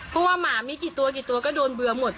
เพราะว่าหมามีกี่ตัวกี่ตัวก็โดนเบื่อหมด